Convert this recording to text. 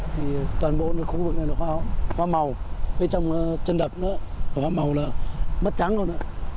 thì toàn bộ khu vực này là hoa màu bên trong chân đập nữa hoa màu là mất trắng luôn